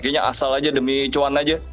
kayaknya asal aja demi cukup ya